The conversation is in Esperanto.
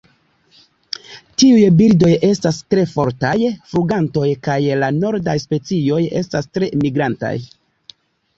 Tiuj birdoj estas tre fortaj flugantoj kaj la nordaj specioj estas tre migrantaj.